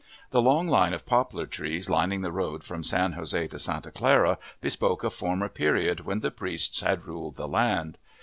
The long line of poplar trees lining the road from San Jose to Santa Clara bespoke a former period when the priests had ruled the land.